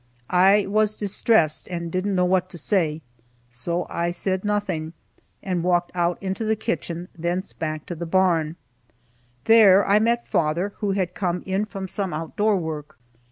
I was distressed, and didn't know what to say, so I said nothing, and walked out into the kitchen, thence back to the barn. There I met father, who had come in from some out door work.